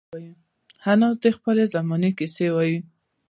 انا د خپلې زمانې کیسې وايي